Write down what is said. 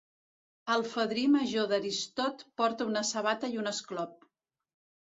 El fadrí major d'Aristot porta una sabata i un esclop.